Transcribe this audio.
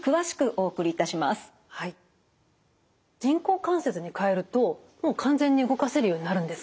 人工関節に換えるともう完全に動かせるようになるんですか？